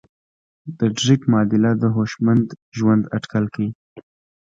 د ډریک معادله د هوشمند ژوند اټکل کوي.